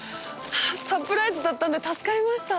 サプライズだったんで助かりました。